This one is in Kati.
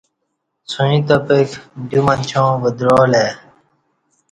څوعیں تپک دیو منچاں وَدعالہ ای